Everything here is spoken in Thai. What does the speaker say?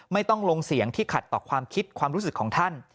ไม่ต้องลงเสียงที่ขัดต่อความคิดความรู้สึกของท่าน